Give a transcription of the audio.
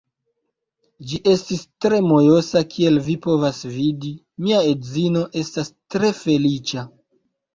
Ĝi estis tre mojosa kiel vi povas vidi, mia edzino estas tre feliĉa